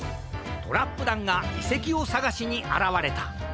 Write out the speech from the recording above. トラップだんがいせきをさがしにあらわれた。